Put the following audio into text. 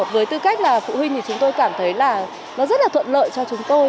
với tư cách là phụ huynh thì chúng tôi cảm thấy là nó rất là thuận lợi cho chúng tôi